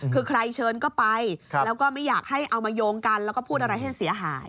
คือใครเชิญก็ไปแล้วก็ไม่อยากให้เอามาโยงกันแล้วก็พูดอะไรให้เสียหาย